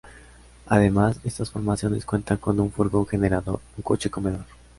Además, estas formaciones cuentan con un furgón generador y un coche comedor.